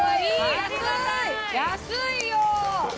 安いよ！